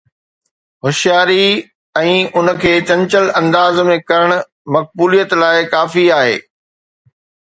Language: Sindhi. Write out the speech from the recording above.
هوشياري ۽ ان کي چنچل انداز ۾ ڪرڻ مقبوليت لاءِ ڪافي آهي.